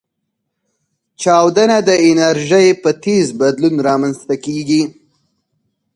چاودنه د انرژۍ په تیز بدلون رامنځته کېږي.